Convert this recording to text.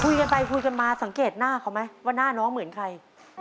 คุยกันไปคุยกันมาสังเกตหน้าเขาไหมว่าหน้าน้องเหมือนใคร